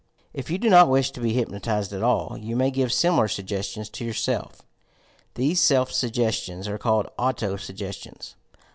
If you do not wish to be hypnotized at all, you may give similar suggestions to yourself. These Self sugges tions are called '' Auto Suggestions.